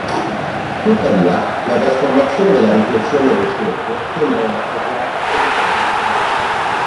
Tuttavia, la trasformazione della riflessione in un cerchio sembra inappropriata per i gradi inferiori.